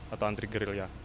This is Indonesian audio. atau antri grill ya